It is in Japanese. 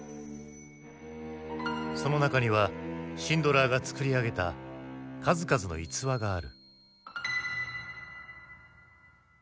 その中にはシンドラーが作り上げた数々の逸話がある。